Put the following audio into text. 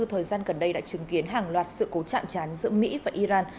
thời gian gần đây đã chứng kiến hàng loạt sự cố chạm chán giữa mỹ và iran